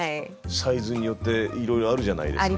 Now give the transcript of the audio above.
サイズによっていろいろあるじゃないですか。